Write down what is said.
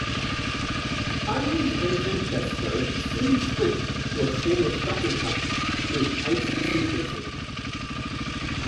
Hyland and Francesco soon switched to a form of shuffle tracking called Ace sequencing.